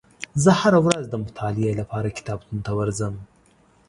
زه هره ورځ د مطالعې لپاره کتابتون ته ورځم.